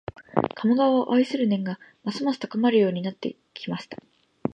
鴨川を愛する念がますます高まるようになってきました